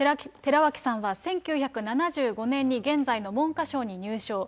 寺脇さんは１９７５年に現在の文科省に入省。